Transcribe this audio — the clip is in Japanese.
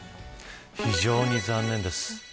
非常に残念です。